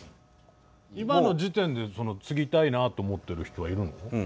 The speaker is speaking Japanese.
今の時点で継ぎたいなと思ってる人はいるの？